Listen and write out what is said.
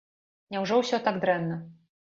Няўжо ўсё так дрэнна?